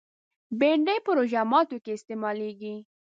بېنډۍ په روژه ماتي کې استعمالېږي